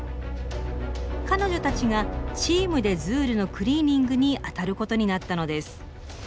彼女たちがチームでズールのクリーニングにあたることになったのです。